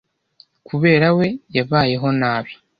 Kubera we, yabayeho nabi.